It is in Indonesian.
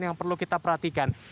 yang perlu kita perhatikan